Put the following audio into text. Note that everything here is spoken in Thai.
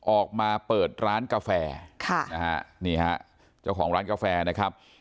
ออกมาเปิดร้านกาแฟค่ะนะฮะนี่ฮะเจ้าของร้านกาแฟนะครับ